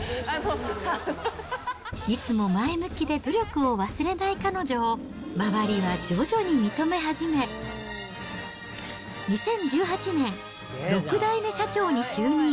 いつも前向きで努力を忘れない彼女を、周りは徐々に認め始め、２０１８年、６代目社長に就任。